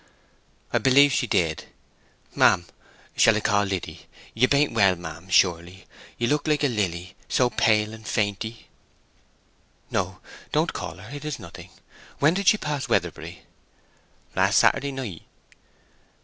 "I believe she did.... Ma'am, shall I call Liddy? You bain't well, ma'am, surely? You look like a lily—so pale and fainty!" "No; don't call her; it is nothing. When did she pass Weatherbury?" "Last Saturday night."